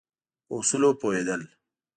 په اصولو پوهېدل.